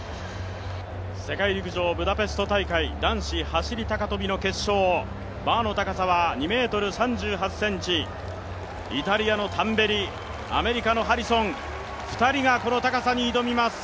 世界陸上ブダペスト大会男子走高跳の決勝バーの高さは２ｍ３８ｃｍ、イタリアのタンベリ、アメリカのハリソン、２人がこの高さに挑みます。